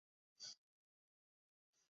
此火山与冒纳罗亚火山相邻。